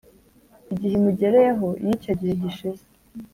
igihe imugereyeho Iyo icyo gihe gishize